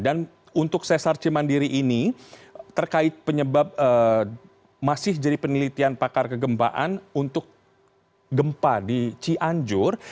dan untuk sesar cimandiri ini terkait penyebab masih jadi penelitian pakar kegembaan untuk gempa di cianjur